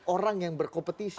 orang yang berkompetisi